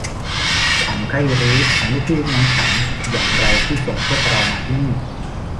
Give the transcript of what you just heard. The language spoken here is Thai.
ความใคร่รู้ของลูกพี่ลูกน้องฉันอย่างไรที่ส่งพวกเรามาที่นี่